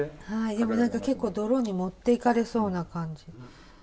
でも何か結構泥に持っていかれそうな感じ。